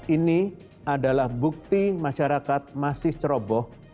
ini adalah bukti masyarakat masih ceroboh